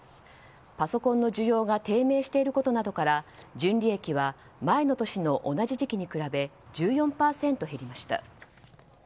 パソコンの需要が低迷していることなどから純利益は前の年の同じ時期に比べ１４％減りました。